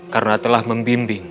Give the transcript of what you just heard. karena telah membimbing